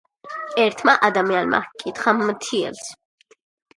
ერთმა ადამიანმა ჰკითხა მთიელს